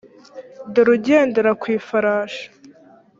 dore ugendera ku ifarashi